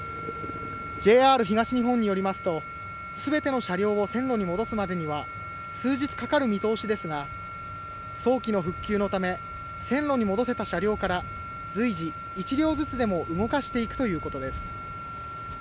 ＪＲ東日本によりますとすべての車両を線路に戻すまでには数日かかる見通しですが早期の復旧のため線路に戻せた車両から随時、１両ずつでも動かしていくということです。